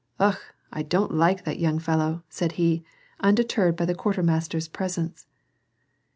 " Okh ! I don't like that young fellow," said he, undeterred by the quartermaster's presence.